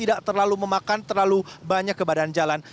tidak terlalu memakan terlalu banyak ke badan jalan